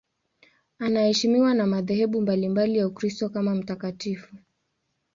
Anaheshimiwa na madhehebu mbalimbali ya Ukristo kama mtakatifu.